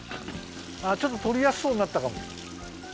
ちょっととりやすそうになったかも。